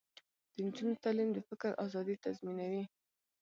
د نجونو تعلیم د فکر ازادي تضمینوي.